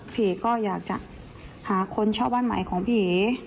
เพย์ก็อยากหาคนเชื่อบ้านใหม่ของเพย์